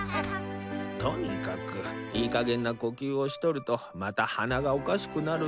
とにかくいいかげんな呼吸をしとるとまた鼻がおかしくなるぞ。